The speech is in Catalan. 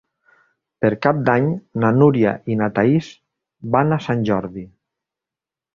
Per Cap d'Any na Núria i na Thaís van a Sant Jordi.